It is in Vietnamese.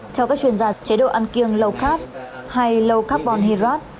theo các chuyên gia chế độ ăn kiêng low carb hay low carbon hydrate